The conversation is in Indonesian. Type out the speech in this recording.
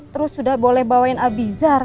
terus sudah boleh bawain abizar